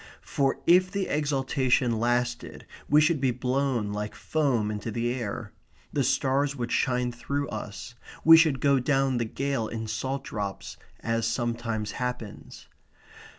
For if the exaltation lasted we should be blown like foam into the air. The stars would shine through us. We should go down the gale in salt drops as sometimes happens.